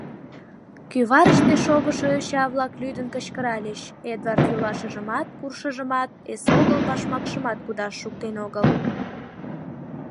Кӱварыште шогышо йоча-влак лӱдын кычкыральыч: Эдвард йолашыжымат, куршыжымат, эсогыл башмакшымат кудаш шуктен огыл.